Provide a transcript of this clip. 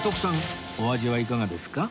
お味はいかがですか？